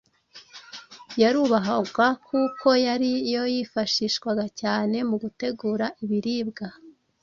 yarubahwaga kuko ari yo yifashishwaga cyane mu gutegura ibiribwa.